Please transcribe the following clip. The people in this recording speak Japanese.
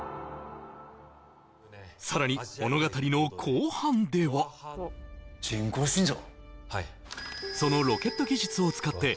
さらに物語の後半では人工心臓？